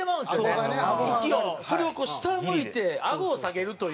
それをこう下向いてあごを下げるという。